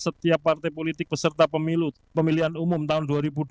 setiap partai politik peserta pemilu pemilihan umum tahun dua ribu dua puluh